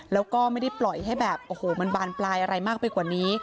แล้วก็ไม่ได้ปล่อยให้แบบโอ้โหมันบานปลายอะไรมากไปกว่านี้